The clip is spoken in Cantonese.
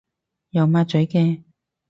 有抹嘴嘅